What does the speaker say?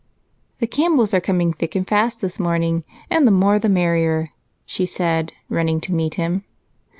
"The Campbells are coming, thick and fast this morning, and the more the merrier," she said, running to meet him.